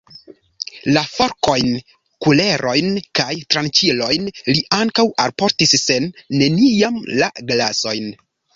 La forkojn, kulerojn kaj tranĉilojn li ankaŭ alportis, sed neniam la glasojn.